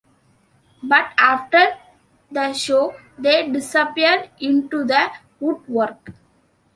But after the show, they disappeared into the woodwork.